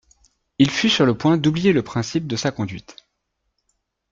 Il fut sur le point d'oublier le principe de sa conduite.